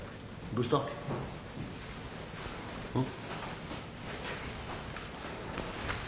うん？